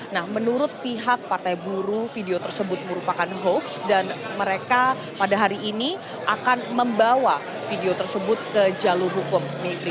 nah menurut pihak partai buruh video tersebut merupakan hoax dan mereka pada hari ini akan membawa video tersebut ke jalur hukum